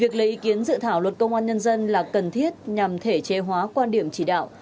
công an nhân dân là cần thiết nhằm thể chế hóa quan điểm chỉ đạo